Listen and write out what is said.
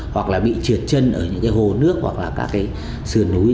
hoặc là bị trượt chân ở những cái hồ nước hoặc là các cái sườn núi